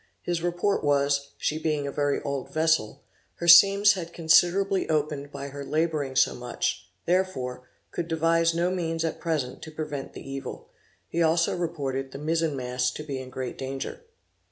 His report was, she being a very old vessel, her seams had considerably opened by her laboring so much, therefore, could devise no means at present to prevent the evil. He also reported, the mizen mast to be in great danger.